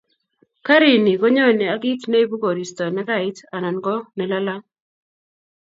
Garini konyonei ak kit neibu koristo nekait anan ko nelalang